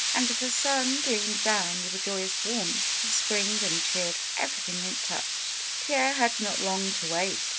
And the sun gleamed down with the joyous warmth of spring and cheered everything it touched. Pierre had not long to wait.